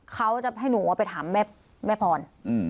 เขาจะให้หนูไปถามแม่พร